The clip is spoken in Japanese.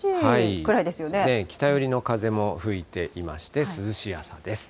北寄りの風も吹いていまして、涼しい朝です。